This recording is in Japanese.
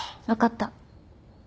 分かった。